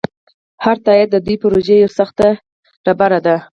هر تایید د دې پروژې یوه سخته ډبره ده.